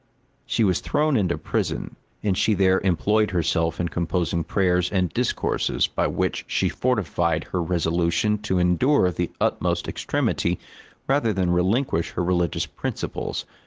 She was thrown into prison, and she there employed herself in composing prayers and discourses, by which she fortified her resolution to endure the utmost extremity rather than relinquish her religious principles.